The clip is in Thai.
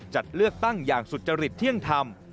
จัดเลือกตั้งอย่างสุจริตเที่ยงธรรม